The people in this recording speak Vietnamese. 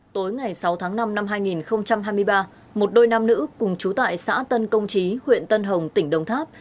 tối ngày sáu tháng năm năm hai nghìn hai mươi ba một đôi nam nữ cùng chú tại xã tân công trí huyện tân hồng tỉnh đồng tháp